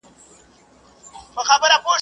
o پړ هم يو وراشه لري.